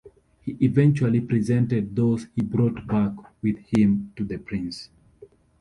He eventually presented those he brought back with him to the prince.